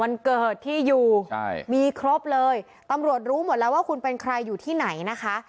วันเกิดที่อยู่ใช่มีครบเลยตำรวจรู้หมดแล้วว่าคุณเป็นใครอยู่ที่ไหนนะคะ